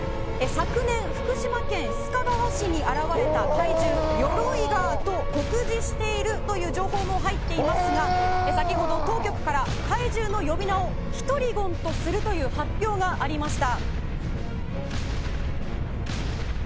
昨年、福島県須賀川市に現れた怪獣ヨロイガーと酷似しているという情報も入っていますが先ほど、当局から怪獣の呼び名をヒトリゴンとするという発表がありました。